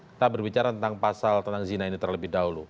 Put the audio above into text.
kita berbicara tentang pasal tentang zina ini terlebih dahulu